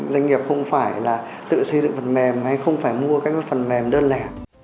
doanh nghiệp không phải là tự xây dựng phần mềm hay không phải mua các phần mềm đơn lẻ